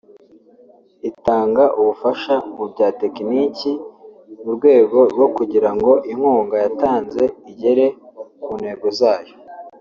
Itanga ubufasha mu bya tekiniki mu rwego rwo kugira ngo inkunga yatanze igere ku ntego zayo